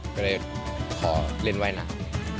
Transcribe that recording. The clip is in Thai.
ก็เลยขอเล่นว่ายน้ำ